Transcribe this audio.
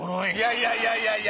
いやいやいやいや！